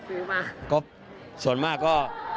ซื้อมาก็ส่วนมากก็